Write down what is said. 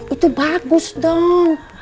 itu bagus dong